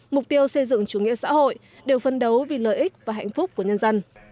mục tiêu xây dựng chủ nghĩa xã hội đều phân đấu vì lợi ích và hạnh phúc của nhân dân